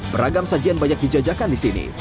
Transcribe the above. beragam sajian banyak dijajakan disini